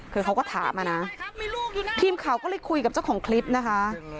คือเขาก็ถามอะนะทีมข่าวก็เลยคุยกับเจ้าของคลิปนะคะ